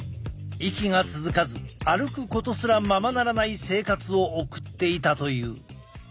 息が続かず歩くことすらままならない生活を送っていたという。